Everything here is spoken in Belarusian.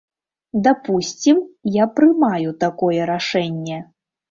Дапусцім, я прымаю такое рашэнне.